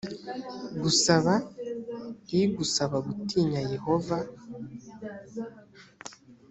gusaba igusaba gutinya yehova